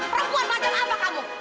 perempuan macam apa kamu